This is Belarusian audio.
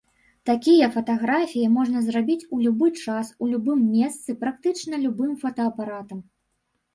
Такія фатаграфіі можна зрабіць у любы час, у любым месцы, практычна любым фотаапаратам.